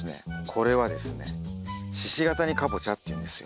これはですね鹿ケ谷かぼちゃっていうんですよ。